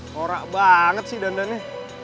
horak banget sih dandannya